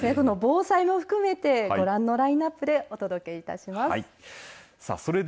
防災も含めてご覧のラインアップでお届けいたします。